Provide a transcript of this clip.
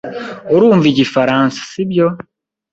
Urumva igifaransa, sibyo?